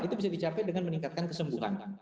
itu bisa dicapai dengan meningkatkan kesembuhan